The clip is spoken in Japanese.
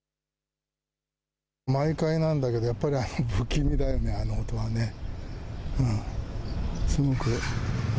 毎回なんだけどやっぱり不気味だよね、あの音はすごく。